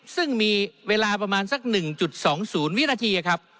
ซึ่งมีเวลาประมาณสัก๑๒๐วินาทีครับ